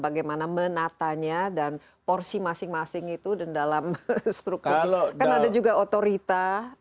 bagaimana menatanya dan porsi masing masing itu dan dalam struktur kan ada juga otorita